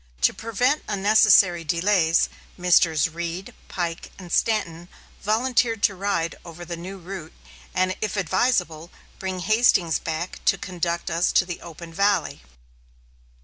To prevent unnecessary delays, Messrs. Reed, Pike, and Stanton volunteered to ride over the new route, and, if advisable, bring Hastings back to conduct us to the open valley.